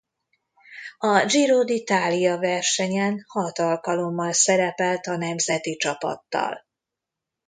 A Giro d’Italia versenyen hat alkalommal szerepelt a nemzeti csapattal.